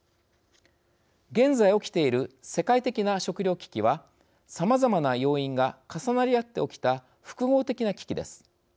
現在起きている世界的な食料危機はさまざまな要因が重なり合って起きた複合的な危機です。